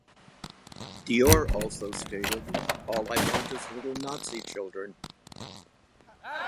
Dior also stated, All I want is little Nazi children.